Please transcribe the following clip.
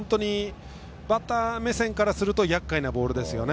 バッター目線からするとやっかいなボールですね。